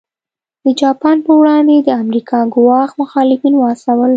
د جاپان پر وړاندې د امریکا ګواښ مخالفین وهڅول.